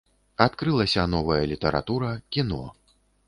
Адкрылася новая літаратура, кіно.